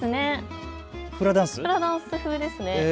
フラダンス風ですね。